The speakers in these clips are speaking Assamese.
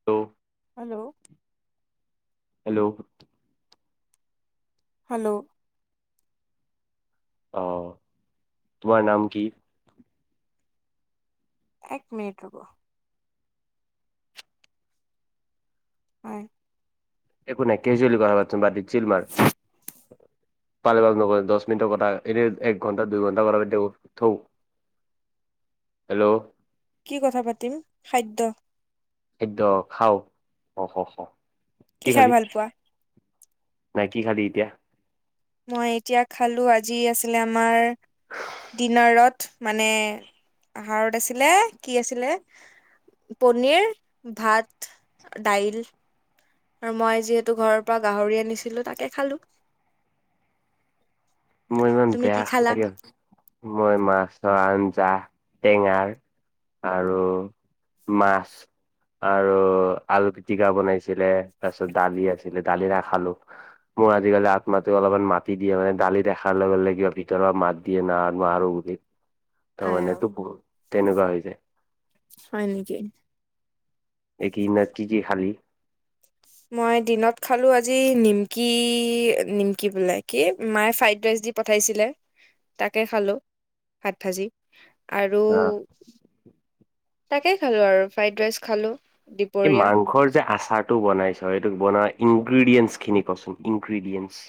[unintelligible] হেল্ল'। হেল্ল'। হেল্ল'। অ' তোমাৰ নাম কি? এক মিনিট ৰ'ব। হয়। একো নাই [unintelligible] পালে পাক নকলে দছ মিনিৰ কথা, এনে এক ঘণ্টা দুই ঘণ্টা কথা পতি থাকোঁ থৌ। হেল্ল'। কি কথা পাতিম, খাদ্য? খাদ্য খাওঁ, [unintelligible] কি খাই খালি? ভাল পোৱা নাই কি খালি এতিয়া? মই এতিয়া খালোঁ, আজি আছিলে আমাৰ ডিনাৰত মানে আহাৰত আছিলে, কি আছিলে পনীৰ, ভাত, ডাইল। আৰু মই যিহেতু ঘৰৰপৰা গাহৰি আনিছিলোঁ তাকে খালোঁ। মোৰ ইমান তুমি কি বেয়া খালা লাগিল, মই মাছৰ আঞ্জা, টেঙাৰ আৰু মাছ। আৰু আলু পিটিকা বনাইছিলে তাৰপিছত ডালি আছিলে, ডালি নাখালোঁ। মোৰ আজিকালি আগ মাতি অলপমান মাটি দিয়ে মানে ডালিত দেখাৰ লগে লগে ভিতৰৰ মাত দিয়ে না [unintelligible] ত' আই অ মানে ত' বহু তেনেকুৱা হৈ যায়। হয় নেকি? এই কি না কি কি খালি? মই দিনত খালোঁ আজি নিমকি, নিমকি বোলে কি মায়ে ফ্ৰাইড ৰাইচ দি পঠাইছিলে তাকে খালোঁ ভাত ভাজি আৰু অ তাকে খালোঁ আৰু ফ্ৰাইড ৰাইচ খালোঁ, দিপ এই মাংসৰ যে আচাৰ টো বনাইছ এইটো বনোৱা ইনগ্ৰিডিয়েঞ্চখিনি কচোন, ইনগ্ৰিডিয়েঞ্চ।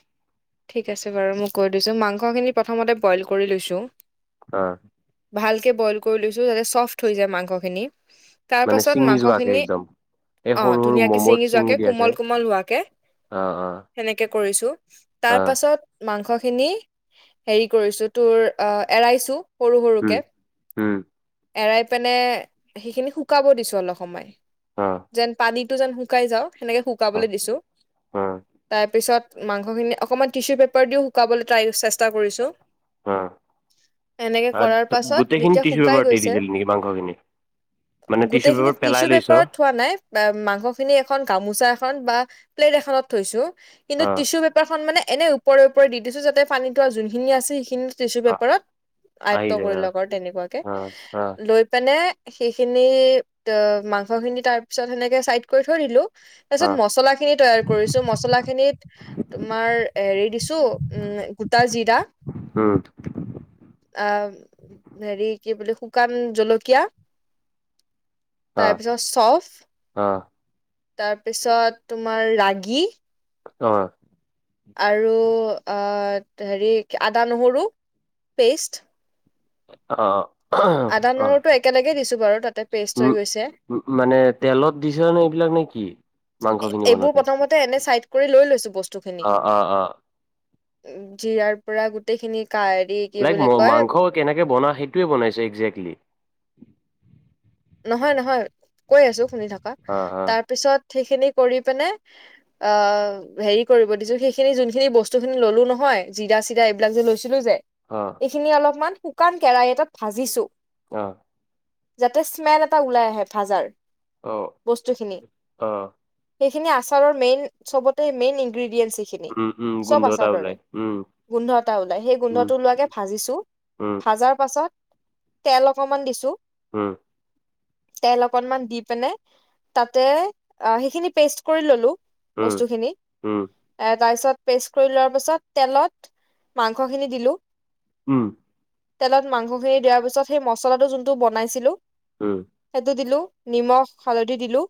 ঠিক আছে বাৰু মই কৈ দিছোঁ, মাংসখিনি প্ৰথমতে বইল কৰি লৈছোঁ অ'। ভালকে বইল কৰি লৈছোঁ যাতে চফ্ট হৈ যায় মাংসখিনি। মানে তাৰপাছত ছিঙি যোৱাকে মাংসখিনি একদম এই অ' সৰু সৰু ধুনীয়াকে মম'ত ছিঙি যোৱাকে, দিয়াকে কোমল কোমল হোৱাকে অ অ সেনেকে কৰিছো, তাৰ অ পাছত। মাংসখিনি হেৰি কৰিছো, তোৰ এৰাইছো। সৰু উম সৰুকে, উম এৰাই পেনে সেইখিনি শুকাব দিছো অলপ সময়। অ, যেন, পানীতটো যেন শুকাই যাওঁ সেনেকে অ শুকাবলৈ দিছো, অ তাৰ পিছত মাংসখিনি অকণমান টিচু পেপাৰ দিও শুকাবলৈ টাই, চেষ্টা কৰিছোঁ। এনেকে অ কৰাৰ পাছত, গোটেইখিনি যেতিয়া টিচু শুকাই পেপাৰ দি গৈছে। দিছিলি নেকি মাংসখিনি মানে টিচু গোটেইখিনি পেপাৰ পেলাই টিচু লৈছ পেপাৰত থোৱা নাই। বা মাংস খিনি এখন গামোচা এ, বা প্লেট এখনত থৈছো, কিন্তু অ টিচু পেপাৰখন মানে এনে ওপৰে ওপৰে দিছো, যাতে পানীটোৱা যোনখিনি আছে সেইখিনি টিছু অ পেপাৰত আহি আয়ত্ব যায় কৰি অ লক, আৰু তেনেকুৱাকে অ লৈ পিনে সেইখিনি অ, মাংসখিনি তাৰ পিছত সেনেকে চাইড কৰি থৈ দিলো। তাৰ অ অ পিছত মছলা খিনি তৈয়াৰ কৰিছো, মচলা খিনিত তোমাৰ হেৰি দিছো, উম, গোটা জিৰা। উম আহ, হেৰি কি বুলি, শুকান জলকীয়া। অ তাৰপিছত চফ, অ তাৰপিছত তোমাৰ ৰাগী। অ, আৰু আ, হেৰি আদা নহৰু পেষ্ট। অ, আদা অ অ নৰুটো, একেলগে দিছোঁ বাৰু, তাতে পেষ্ট হৈ উম, গৈছে। মানে তেলত দিছে নে, এইবিলাক নেকি? এইবোৰ প্ৰথমতে এনে চাইড কৰি লৈ লৈছো, বস্তুখিনি। অ', অ', অ', জিৰাৰ পৰা গোটেই খিনি কাই লাইক, মা-মাংস কেনেকে বনা সেইটোৱে বনাইছো একজেক্টলি। নহয়, নহয় কৈ আছো শুনি থকা, অ', অ', তাৰপিছত সেইখিনি কৰি পিনে অ, হেৰি কৰিব দিছো সেইখিনি যোনখিনি বস্তু খিনি ললো নহয় জিৰা-চিৰা এ এইবিলাক যে লৈছিলো যে। অ, এইখিনি অলপমান শুকান কেৰাহি এটাত ভাজিছো। অ, তাতে, স্মেল এটা ওলাই আহে ভাজাৰ, অ', বস্তুখিনি অ', সেইখিনি আচাৰৰ মেইন চবতে, মেইন ইনগ্ৰেডিয়েনচ সে খিন, উম, উম, চব গোন্ধ এটা আচাৰ দৰে, ওলাই উম, গোন্ধ এটা ওলাই সেই উম, গোন্ধটো ওলোৱাকে ভাজিছো। উম, ভাজাৰ পাছত, তেল অকনমান দিছো। উম, তেল অকনমান দি পিনে, তাতে সেইখিনি পেষ্ট কৰি ললোঁ। উম, বস্তু খিনি, উম, এ, তাৰপিছত পেষ্ট কৰি লোৱাৰ পিছত, তেলত মাংসখিনি দিলো। উম, তেলত মাংসখিনি দিয়াৰ পিছত, সেই মছলাটো যোনটো বনাইছিলো। উম, সেইটো দিলো, নিমখ, হালধি, দিলো।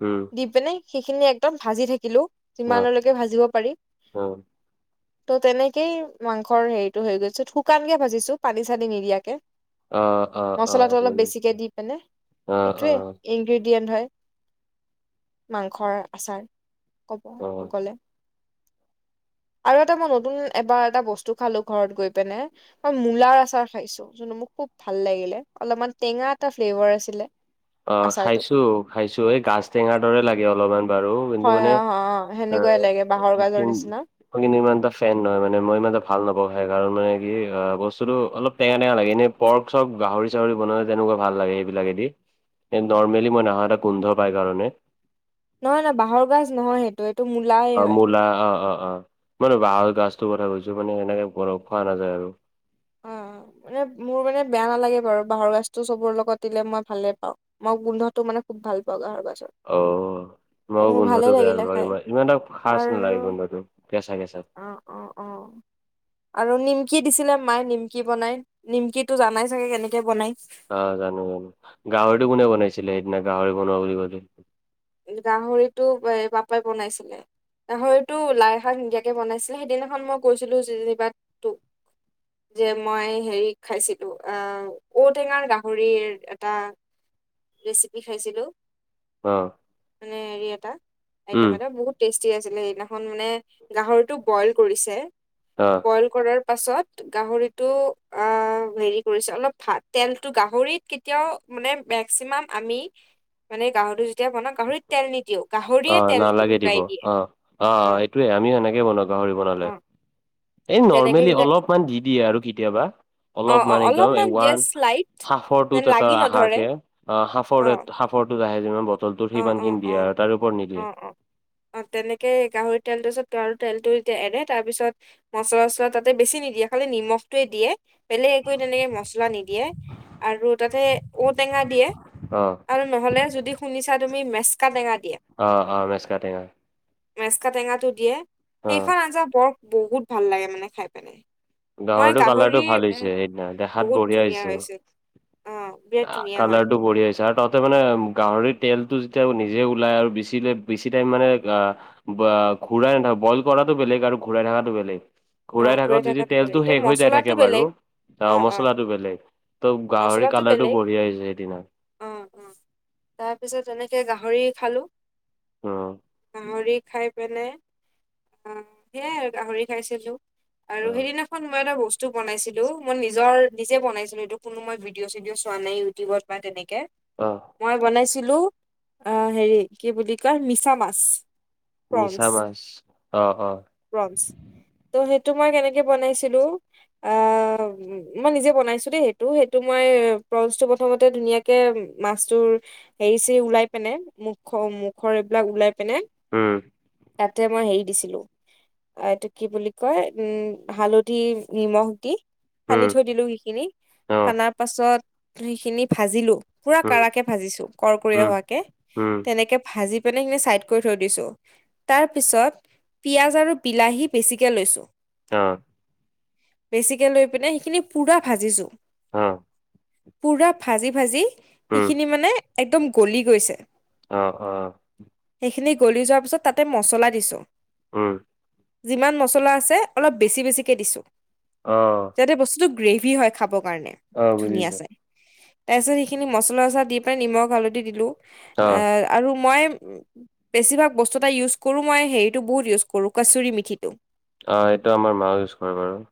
উম, দি পিনে সেইখিনি একদম ভাজি থাকিলো, অ', যিমানলৈকে ভাজিব পাৰি। [inaudible] ত' তেনেকেই মাংসৰ হেৰিটো হৈ গৈছে শুকানকে ভাজিছো পানী-চানী নিদিয়াকে। অ অ অ যেনে সেইটোৱে অ', ইনগ্ৰেডিয়েণ্ট হয় মাংসৰ আচাৰ। ক'ব অ', গলে। [inaudible] আৰু এটা মই নতুন এবাৰ এটা বস্তু খালো ঘৰত গৈ পিনে মই মূলাৰ আচাৰ খাইছো। [unintelligible] মোক খুব ভাল লাগিলে, অলপমান টেঙা এটা ফ্লেভাৰ আছিলে। অ আচাৰটোত খাইছো খাইছো, এই গাজ টেঙাৰ দৰে লাগে অলপমান বাৰু। [unintelligible] হয় মানে অ [unintelligible] অ' সেনেকুৱাই লাগে বাঁহৰ মই গাজৰ নিচিনা কিন্তু ইমান এটা ফেন নহয় মানে, মই ইমান এটা ভাল নাপাওঁ সেই কাৰণ মানে কি বস্তুটো অলপ টেঙা টেঙা লাগে। এনেই পৰ্ক-চৰ্ক গাহৰি-চাহৰি বনালে তেনেকুৱা ভাল লাগে সেইবিলাকেদি এ নৰ্মেলি মই নাখাওঁ এটা গোন্ধ পাই কাৰণে। নহয় নহয় বাঁহৰ গাজ নহয়। এইটো মূলা অ মূলা অ অ অ মই বাঁহৰ গাজটোৰ কথা কৈছো মানে সেনেকে [unintelligible] খোৱা নাযায় আৰু। অ', [inaudible] মানে মোৰ মানে বেয়া নালাগে বাৰু বাঁহৰ গাছটো চবৰ লগত দিলে মই ভালে পাওঁ। মই গোন্ধটো মানে খুব ভাল পাওঁ বাঁহৰ গাজৰ। অ মই ত' মোৰ ভালে গোন্ধটো বেয়া লাগিলে পাওঁ, ই খাই ইমান এটা খাচ নালাগে আৰু গোন্ধটো কেঁচা কেঁচা। অ অ আৰু নিমকি দিছিলে মায়ে নিমকি বনাই, নিমকি টো জানাই চাগে কেনেকে বনাই? অ জানো জানো। গাহৰিটো কোনে বনাইছিলে সেইদিনা গাহৰি বনোৱা বুলি কলে? গাহৰিটো পাপাই বনাইছিলে। গাহৰিতো লাই শাক নিদিয়াকে বনাইছিলে সেইদিনাখন মই গৈছিলো যেনিবা তুক। যে মই হেৰি খাইছিলো আহ ঔটেঙাৰ গাহৰিৰ এটা ৰেচিপি খাইছিলো। অ মানে হেৰি এটা আইটেম উম এটা বহুত টেষ্টি আছিলে সেইদিনাখন মানে গাহৰটো বইল কৰিছে অ'। বয়ল কৰাৰ পাছত গাহৰিটো আ অ হেৰি কৰিছে অলপ ভাত তেলটো গাহৰিত কেতিয়াও মানে মেক্সিমাম আমি মানে গাঁৱতো এতিয়া বনাওঁ গাহৰিত তেল নিদিও, অ গাহৰিয়ে তেল ওলাই দিয়ে অ। সেইটোৱে আমি সেনেকেই বনাওঁ গাহৰি বনালে। অ এই তেনেকে নৰ্মেলি যেতিয়া অলপমান দি দিয়ে আৰু কেতিয়াবা। অ অ অলপমান একদম ওৱান জাষ্ট লাইট সাফৰটো যেন এটা লাগি আহা নধৰে কে আ অ সাফৰ সাফৰটো আহে যিমান বটলটো অ অ সিমানখিনি অ অ দিয়ে আৰু তাৰ ওপৰত নিদিয়ে। অ অ তেনেকে গাহৰি তেল তাৰ পিছত গাহৰি তেলটো যেতিয়া এৰে তাৰপিছত মচলা-চচলা তাতে বেছি নিদিয়ে খালি নিমখটোৱে দিয়ে। বেলেগ একো তেনেকে মছলা নিদিয়ে আৰু তাতে ঔটেঙা দিয়ে অ আৰু নহ'লে যদি শুনিছা তুমি মেচকা টেঙা দিয়ে। অ অ মেছকা টেঙা। মেচকা টেঙাটো দিয়ে। অ সেইখন আঞ্জা বৰ বহুত ভাল লাগে মানে খাই পিনে। গাহৰিটো কালাৰটো ভাল হৈছে সেইদিনা দেখাত বহুত বঢ়িয়া ধুনীয়া হৈছে। অ বিৰাট ধুনীয়া হয় কালাৰটো বঢ়িয়া হৈছে আৰু [unintelligible] তাৰমানে গাহৰিৰ তেলটো যেতিয়া নিজে ওলাই আৰু বেছিকে বেছি টাইম মানে আহ বা ঘূৰাই নাথাকো, বইল কৰাতো বেলেগ আৰু ঘূৰাই থাকাতো বেলেগ, অ ঘূৰাই থাকাত যদি থকাটো বেলেগ তেলটো এতিয়া শেষ হৈ যায় মচলাটো থাকে বেলেগ বাৰু। অ অ মছলাটো বেলেগ, ত' গাহৰি মচলাটো কালাৰটো বেলেগ বঢ়িয়া হৈছে সেইদিনা। অ অ, তাৰপিছত এনেকে গাহৰি খালোঁ। অ গাহৰি খাই পেলাই, অ সেয়াই আৰু গাহৰি খাইছিলোঁ। অ আৰু সেইদিনা খন মই এটা বস্তু বনাইছিলো। মই নিজৰ নিজে বনাইছিলো এইটো, কোনো মই ভিডিঅ'-চিডিঅ' চোৱা নাই ইউটিউবত বা তেনেকে অঁ মই বনাইছিলো অ হেৰি কি বুলি কয় মিছা মাছ। মিছা মাছ, অ অ প্ৰম্পচ ত' সেইটো মই কেনেকে বনাইছিলো, অ মই নিজে বনাইছো দেই সেইটো, সেইটো মই প্ৰনচটো প্ৰথমতে ধুনীয়াকে মাছটোৰ হেৰি-চেৰি ওলাই পিনে, মুখ মুখৰ এইবিলাক ওলাই পিনে ওম তাতে মই হেৰি দিছিলোঁ, এইটো কি বুলি কয় উম হালধি, নিমখ দি সানি উম থৈ দিলো সিখিনি অ সানাৰ পাছত সেইখিনি ভাজিলোঁ পুৰা উম কাৰা কে ভাজিছো কৰকীয়া উম হোৱাকে, উম তেনেকে ভাজি [unintelligible] সে-খিনি চাইড কৰি থৈ দিছোঁ তাৰ পিছত পিয়াজ আৰু বিলাহী পেচি কে লৈছোঁ অ বেছিকে লৈ পিনে সেইখিনি পূৰা ভাজিছোঁ। অ পুৰা ভাজি-ভাজি উম সিখিনি মানে একদম গলি গৈছে। অঁ অঁ সেইখিনি গলি যোৱাৰ পিছত তাতে মছলা দিছোঁ। উম যিমান মছলা আছে অলপ বেছি বেছিকে দিছোঁ। অঁ যাতে বস্তুটো গ্ৰেভি হয় খাবৰ কাৰণে, অ ধুনীয়া বুজিছো ছে তাৰছত সেইখিনি মচলা-চচা দি পাই নিমখ হালধি দিলোঁ, অ। আহ আৰু মই বেছিভাগ বস্তু এটা ইউজ কৰোঁ মই হেৰিটো বহুত ইউজ কৰোঁ কচুুৰি মিঠিটো অঁ এইটো আমাৰ মা'ও ইউজ কৰে বাৰু,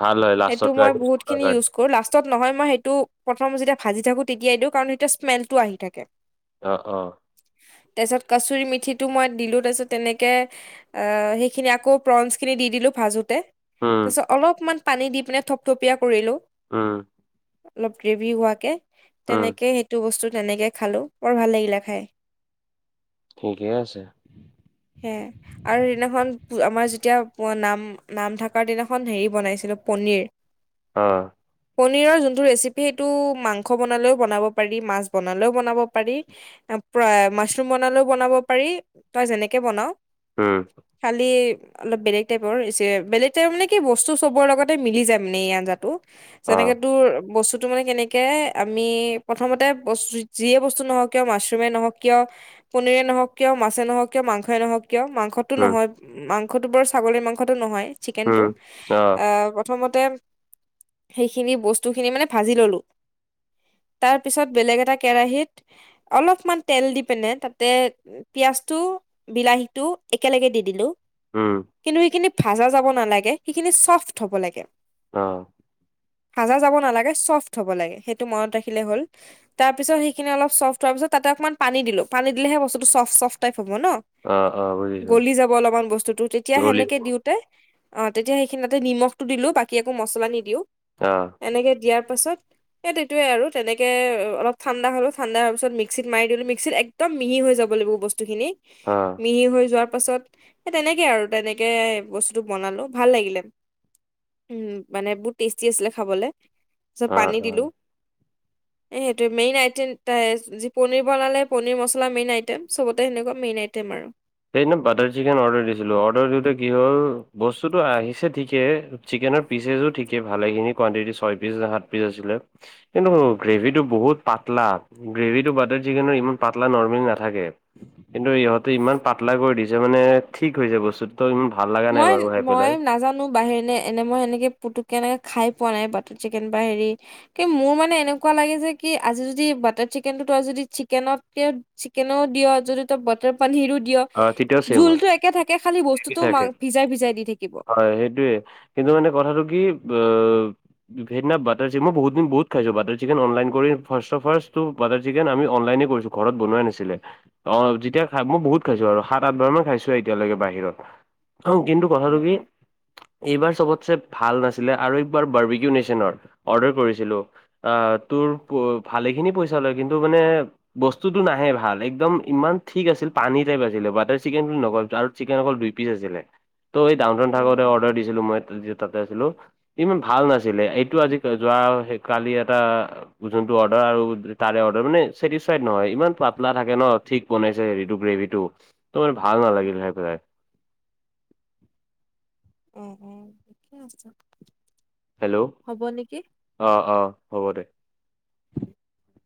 ভাল হয় লাষ্টৰ কাৰণে ইউজ কৰাৰ কাৰণে কৰ লাষ্টত নহয় মই সেইটো প্ৰথম যেতিয়া ভাজি থাকো তেতিয়াই দিওঁ কাৰণ সেইতিয়া স্মেলটো আহি থাকে। অ অ তাৰপিছত কাচুৰি মিঠিটো মই দিলো তাৰপিছত তেনেকে এ সেইখিনি আকৌ প্ৰনচ খিনি দি দিলোঁ ভাজো তে, তাৰ উম পিছত অলপমান পানী দি পিনে থপথপিয়া কৰিলোঁ। উম অলপ গ্ৰেভি হোৱাকে উম তেনেকে সে সেইটো বস্তু তেনেকে খালোঁ বৰ ভাল লাগিলে খাই। ঠিকে আছে। সে আৰু সেদিনাখন আমাৰ যেতিয়া নাম নাম থকাৰ দিনাখন হেৰি বনাইছিলো পনীৰ অ পনীৰৰ যোনটো ৰেচিপি সেইটো মাংস বনালেও বনাব পাৰি, মাছ বনালেও বনাব পাৰি প্ৰা মাছৰুম বনালেও বনাব পাৰি তই যেনেকে বনাও উম খালি অলপ বেলেগ টাইপৰ যে বেলেগ টাইপ মানে কি বস্তু চবৰ লগত তে মিলি যায় মানে এই আঞ্জাটো অ যেনেকে তোৰ বস্তুতো মানে কেনে- কে আমি প্ৰথমতে বস্তু যিয়ে বস্তু নহওক কিয়, মাছৰুমে নহওক কিয় পনীৰে নহক কিয়, মাছে নহক কিয়, মাংসই নহওক কিয়, মাংস- টো উম নহয় মাংসটো বাৰু ছাগলীৰ মাংসটো নহয় চিকেনটো উম অ আ প্ৰথমতে সেইখিনি বস্তু খিনি মানে ভাজি ললো তাৰপিছত বেলেগ এটা কেৰাহীত অলপমান তেল দি পিনে তাতে পিয়াজটো বিলাহীটো একেলগে দি দিলো উম কিন্তু সেইখিনি ভাজা যাব নালাগে সেইখিনি চফ্ট হ'ব লাগে। অ ভাজা যাব নালাগে চফ্ট হ'ব লাগে সেইটো মনত ৰাখিলে হ'ল। তাৰ পিছত সেইখিনি অলপ চফ্ট হোৱাৰ পিছত তাতে অকণমান পানী দিলো পানী দিলেহে বস্তুটো চফ্ট চফ্ট টাইট হ'ব ন অ অ বুজিছো গলি যাব অলপমান বস্তুটো তেতিয়া গলি সেনেকে দিওঁ তে অ তেতিয়া সেইখিনি তাতে নিমখটো দিলো বাকি আকৌ মছলা নিদিও অ এনেকে দিয়াৰ পাছত এইট এইটোৱে আৰু তেনেকে অলপ ঠাণ্ডা হ'লো ঠাণ্ডা হোৱা পাছত মিক্সিত মাৰি দিলো মিক্সিত এক একদম মিহি হৈ যাব লাগিব বস্তুখিনি অ মিহি হৈ যোৱাৰ পাছত এ তেনেকে আৰু তেনেকে বস্তুটো বনালো ভাল লাগিলে। উম মানে বহুত টেষ্টি আছিলে খাবলে তাৰিছত অ পানী অ দিলো। এই সেইটোৱে মেইন আইটেম তা যি পনীৰ বনালে পনীৰ মছলা মেইন আইটেম চবতে সেনেকুৱা মেইন আইটেম আৰু। এই ন বাটাৰ চিকেন অৰ্ডাৰ দিছিলো অৰ্ডাৰ দিওঁতে কি হ'ল বস্তুটো আহিছে ঠিকে চিকেনৰ পিচেজো ঠিকে ভালেখিনি কোৱাণ্টিটি ছয় পিচ নে সাত পিচ আছিলে কিন্তু গ্ৰেভিটো বহুত পাতলা গ্ৰেভিটো বাটাৰ চিকেনৰ ইমান পাতলা নৰ্মেল নাথাকে কিন্তু ইহঁতে ইমান পাতলা কৰি দিছে মানে ঠিক হৈছে বস্তুতো ইমান ভাল লগা নাই বাৰু খাই পেলাই। নো বাহিৰ ন এনে মই এনেকে পুতুকে এনেকে খাই পোৱা নাই বাটাৰ চিকেন বা হেৰি কি মোৰ মানে এনেকুৱা লাগে যে কি আজি যদি বাটাৰ চিকেনটো তই যদি চিকেনতকেও চিকেনও দিয়, যদি ত বাটাৰ পনীৰো দিয় অ তেতিয়াও ছেম হয় জোলতো একে থাকে খালি কি বস্তুটোও থাকে মাং- ভিজাই ভিজাই দি থাকি কিব হয় সেইটোয়ে কিন্তু মানে কথাটো কি অব- সেইদিনা বাটাৰ চিকে মই বহুত দিন বহুত খাইছো বাটাৰ চিকেন অনলাইন কৰি ফাৰ্ষ্ট ট ফাৰ্ষ্ট টো বাটাৰ চিকেন আমি অনলাইনে কৰিছো। ঘৰত বনাৱাই নাছিলে অ যেতিয়া খাই মই বহুত খাইছো আৰু সাত আঠ বাৰ মান খাইছো আৰু এতিালৈকে বাহিৰত। আৰু কিন্তু কথাটো উম, কি? উম। এইবাৰ চবতচে ভাল নাছিলে আৰু একবাৰ বাৰ্বিকি নেচনৰ অৰ্ডাৰ কৰিছিলোঁ। আঁ তোৰ প' ভালেখিনি পইচা লয় কিন্তু মানে বস্তুটো নাহে ভাল। একদম ইমান ঠিক আছিল পানীত তে বাজিলে। বাটাৰ চিকেন বুলি নকয় আৰু জাৰ্ব চিকেন অকল দুইপিচ আছিলে। ত' এই ডাউথন থাকোঁতে অৰ্ডাৰ দিছিলোঁ মই তেতিয়া তাতে আছিলোঁ। ইমান ভাল নাছিলে। এইটো আজি কা হেৰি কালি এটা যোনটো অৰ্ডাৰ আৰু তাৰে অৰ্ডাৰ মানে চেটিছফাইড নহয়। ইমান পাতলা থাকে ন'। ঠিক বনাইছে হেৰিটো গ্ৰেভি টো। ত' মানে ভাল উম, উম। নালাগিল খাই পেলাই। উম, উম ঠিকে আছোঁ। হেল্ল! অঁ, অঁ হ'ব দে। [unintelligible]